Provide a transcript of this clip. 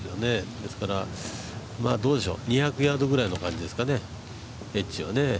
ですから２００ヤードぐらいの感じですかね、エッジはね。